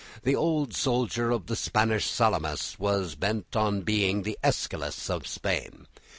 The old soldier of the Spanish Salamis was bent on being the Aeschylus of Spain.